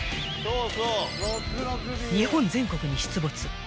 ［日本全国に出没］